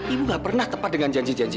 ibu gak pernah tepat dengan janji janji